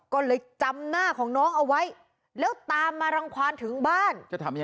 ก็เลยจำหน้าของน้องเอาไว้แล้วตามมารังความถึงบ้านจะทำยังไง